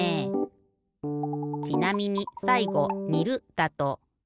ちなみにさいごにるだと。